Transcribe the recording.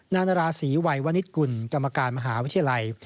นานาราศีวัยวนิตกุลกรรมการมหาวิทยาลัย